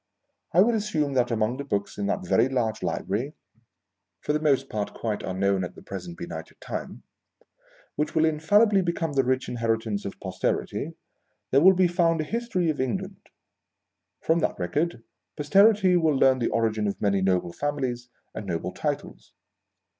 I will assume that among the booka in that VOL. IV. 151 HOUSEHOLD WOEDS. [Conducted by very largo library (for the most part quite unknown at the present benighted time) which •will infallibly become the rich inheritance of Posterity, there will be found a history of England. From that record, Posterity will learn the origin of many noble families and noble titles.